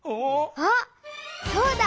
あっそうだ！